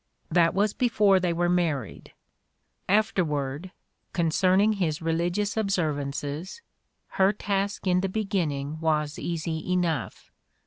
That was before they were mar ried: afterward, "concerning his religious observances her task in the beginning was easy enough.